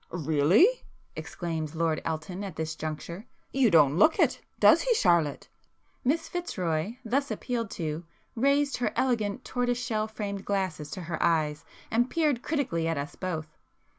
"Really!" exclaimed Lord Elton at this juncture—"You don't look it, does he Charlotte?" Miss Fitzroy thus appealed to, raised her elegant tortoise shell framed glasses to her eyes and peered critically at us both.